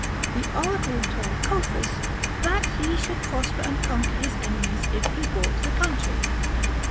The oracle told Cothus, that he should prosper and conquer his enemies if he bought the country.